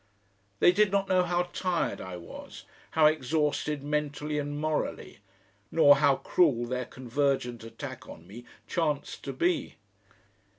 They did not know how tired I was, how exhausted mentally and morally, nor how cruel their convergent attack on me chanced to be.